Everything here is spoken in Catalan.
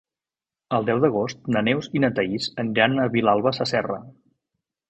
El deu d'agost na Neus i na Thaís aniran a Vilalba Sasserra.